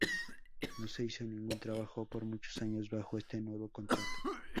No se hizo ningún trabajo por muchos años bajo este nuevo contrato.